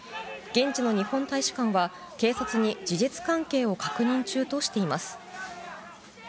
現地の日本大使館は、警察に事実関係を確認中としています。